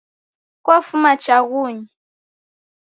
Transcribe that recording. Kwafuma chaghunyi?